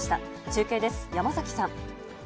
中継です、山崎さん。